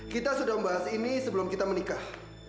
kita sudah membahas ini sebelum kita menikah